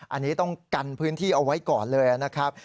อันนี้ต้องกันพื้นที่เอาไว้ก่อนเลยนะครับ